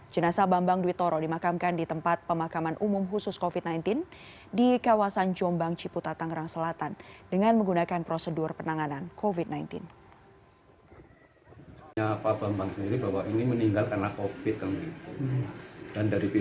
jenasa bambang duwitoro dimakamkan di tempat pemakaman umum khusus covid sembilan belas di kawasan jombang ciputa tangerang selatan dengan menggunakan prosedur penanganan covid sembilan belas